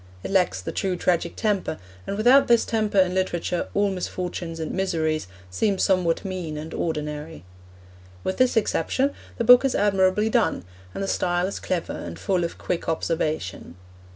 It lacks the true tragic temper, and without this temper in literature all misfortunes and miseries seem somewhat mean and ordinary. With this exception the book is admirably done, and the style is clever and full of quick observation.